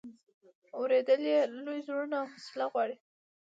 اورېدل یې لوی زړونه او حوصله غواړي.